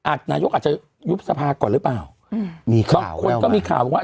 อ่ะนายกอาจจะยุบภาพก่อนหรือเปล่าอืมมีข่าวแล้วต้องเข็มีข่าวว่า